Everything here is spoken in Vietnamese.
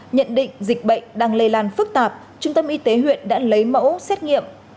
nhận định dịch bệnh đang lây lan phức tạp trung tâm y tế huyện đã lấy mẫu xét nghiệm